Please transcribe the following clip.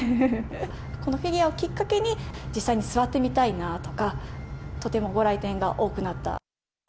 このフィギュアをきっかけに、実際に座ってみたいなとか、とてもご来店が多くなった。